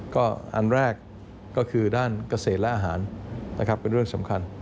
ก็อันแรกก็คือด้านเกษตรและอาหารนะครับเป็นเรื่องสำคัญ